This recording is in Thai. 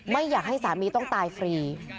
ไม่อยากให้สามีต้องตายฟรี